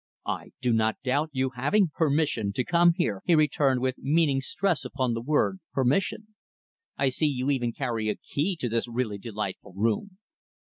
"I do not doubt your having permission to come here," he returned, with meaning stress upon the word, "permission". "I see you even carry a key to this really delightful room."